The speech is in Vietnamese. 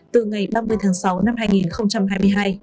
từ ngày ba mươi tháng sáu năm hai nghìn hai mươi hai